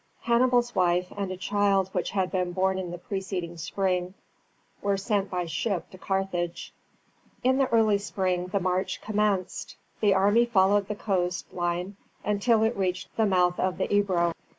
Hannibal's wife and a child which had been born in the preceding spring, were sent by ship to Carthage. In the early spring the march commenced, the army following the coast line until it reached the mouth of the Ebro.